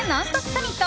サミット。